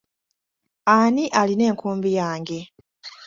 Ani alina enkumbi yange?